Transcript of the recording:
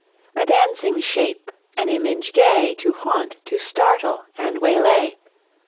A dancing Shape, an Image gay, To haunt, to startle, and waylay.